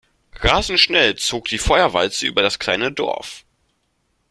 Rasend schnell zog die Feuerwalze über das kleine Dorf.